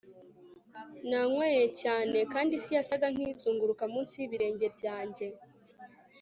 nanyweye cyane kandi isi yasaga nkizunguruka munsi y'ibirenge byanjye